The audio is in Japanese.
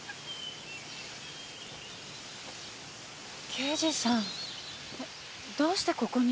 刑事さんどうしてここに？